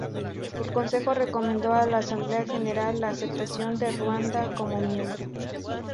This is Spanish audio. El Consejo recomendó a la Asamblea General la aceptación de Ruanda como miembro.